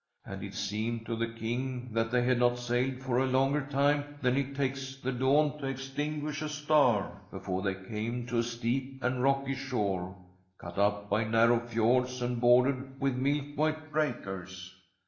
And it seemed to the King that they had not sailed for a longer time than it takes the dawn to extinguish a star before they came to a steep and rocky shore, cut up by narrow fjords and bordered with milk white breakers.